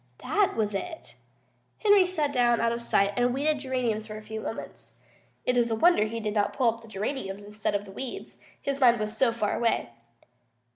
That was it. Henry sat down out of sight and weeded geraniums for a few moments. It is a wonder he did not pull up geraniums instead of weeds, his mind was so far away.